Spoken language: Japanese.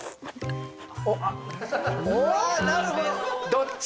どっち？